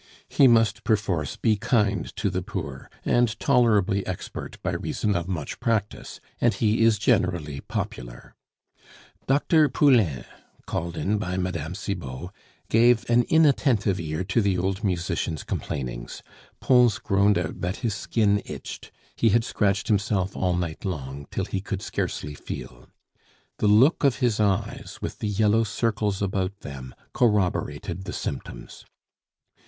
He must perforce be kind to the poor, and tolerably expert by reason of much practice, and he is generally popular. Dr. Poulain, called in by Mme. Cibot, gave an inattentive ear to the old musician's complainings. Pons groaned out that his skin itched; he had scratched himself all night long, till he could scarcely feel. The look of his eyes, with the yellow circles about them, corroborated the symptoms.